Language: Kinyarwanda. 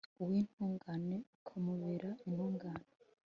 uw'intungane ukamubera intungane